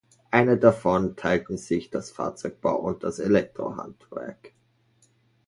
Eine davon teilten sich das Fahrzeugbau- und das Elektrohandwerk.